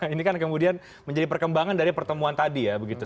ini kan kemudian menjadi perkembangan dari pertemuan tadi ya begitu